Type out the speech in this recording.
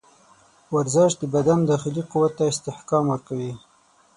ورزش د بدن داخلي قوت ته استحکام ورکوي.